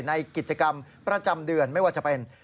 ในกิจกรรมประจำเดือนไม่ว่าจะเป็น